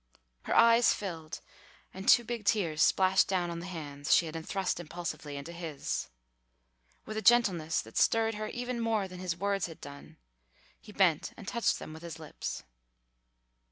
Her eyes filled and two big tears splashed down on the hands she had thrust impulsively into his. With a gentleness that stirred her even more than his words had done, he bent and touched them with his lips.